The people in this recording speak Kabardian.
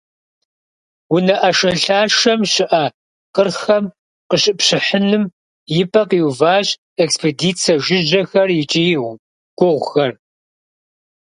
Унэ ӏэшэлъашэм щыӏэ къырхэм къыщыпщыхьыным и пӏэ къиуващ экспедицэ жыжьэхэр икӏи гугъухэр.